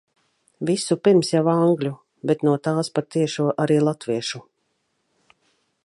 Visupirms jau angļu, bet no tās pa tiešo arī latviešu.